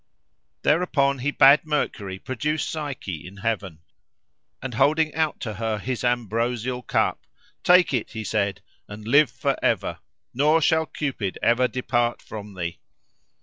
Thereupon he bade Mercury produce Psyche in heaven; and holding out to her his ambrosial cup, "Take it," he said, "and live for ever; nor shall Cupid ever depart from thee."